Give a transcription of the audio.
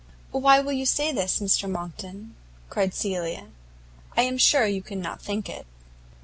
"Why will you say this, Mr Monckton?" cried Cecilia; "I am sure you cannot think it."